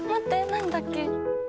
何だっけ？